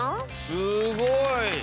すごい！